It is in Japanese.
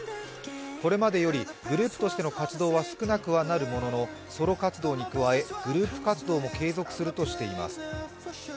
これまでより、グループとしての活動は少なくなるものの、ソロ活動に加え、グループ活動も継続するとしています。